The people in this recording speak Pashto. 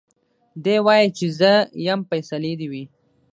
دی وايي چي زه يم فيصلې دي وي